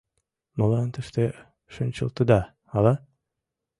Молан тыште шинчылтыда, ала?